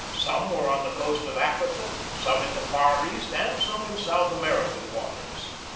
Some were on the coast of Africa, some in the Far East, and some in South American waters.